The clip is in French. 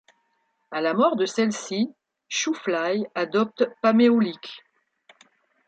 A la mort de celle-ci, Shoofly adopte Pameolik.